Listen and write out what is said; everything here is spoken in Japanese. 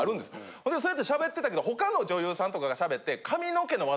ほんでそうやって喋ってたけど他の女優さんとかが喋って。